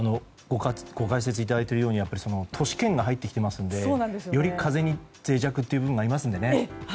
解説いただいているように都市圏が入ってきていますのでより風に脆弱という部分もありますのでね。